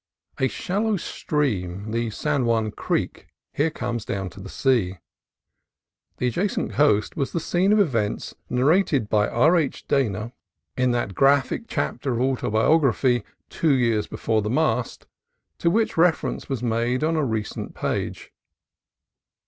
A shallow stream, the San Juan Creek, here comes down to the sea. The adjacent coast was the scene of events narrated by R. H. Dana in that graphic 28 CALIFORNIA COAST TRAILS chapter of autobiography, "Two Years Before the Mast," to which reference was made on a recent page.